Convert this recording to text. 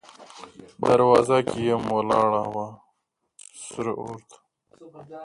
دروازه کې یم ولاړه، وه سره اور ته